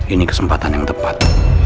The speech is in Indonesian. ini kesempatan yang tepat